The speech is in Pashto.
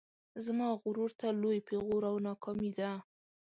زما غرور ته لوی پیغور او ناکامي ده